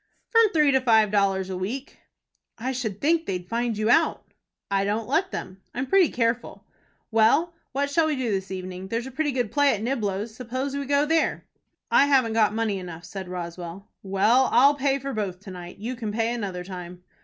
"From three to five dollars a week." "I should think they'd find you out." "I don't let them. I'm pretty careful. Well, what shall we do this evening? There's a pretty good play at Niblo's. Suppose we go there." "I haven't got money enough," said Roswell. "Well, I'll pay for both to night. You can pay another time."